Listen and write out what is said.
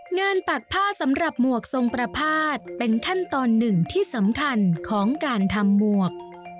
ปากผ้าสำหรับหมวกทรงประพาทเป็นขั้นตอนหนึ่งที่สำคัญของการทำหมวก